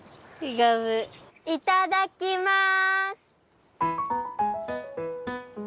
いただきます！